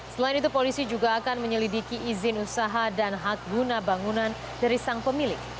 selain itu polisi juga akan menyelidiki izin usaha dan hak guna bangunan dari sang pemilik